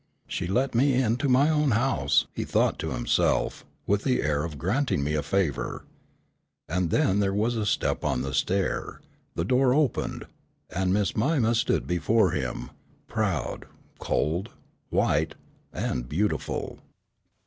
"She let me into my own house," he thought to himself, "with the air of granting me a favor." And then there was a step on the stair; the door opened, and Miss Mima stood before him, proud, cold, white, and beautiful.